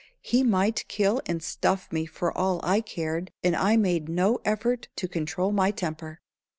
He might kill and stuff me for all I cared, and I made no effort to control my temper.